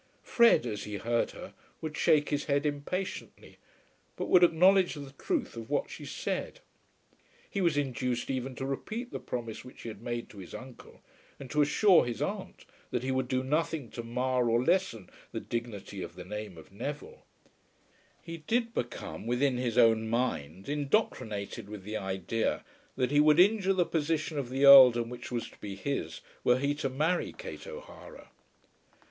Fred, as he heard her, would shake his head impatiently, but would acknowledge the truth of what she said. He was induced even to repeat the promise which he had made to his uncle, and to assure his aunt that he would do nothing to mar or lessen the dignity of the name of Neville. He did become, within his own mind, indoctrinated with the idea that he would injure the position of the earldom which was to be his were he to marry Kate O'Hara.